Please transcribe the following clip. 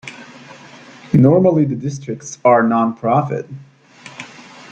Normally the districts are non-profit.